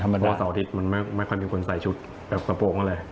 ไม่ค่อยมีคนใส่ชุดแบบกระโปรงก็เลย